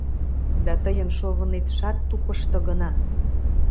Да тыйын шовынетшат тупышто гына.